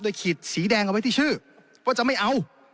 ขีดสีแดงเอาไว้ที่ชื่อว่าจะไม่เอา